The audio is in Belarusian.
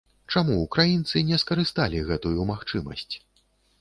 Чаму украінцы не скарысталі гэтую магчымасць?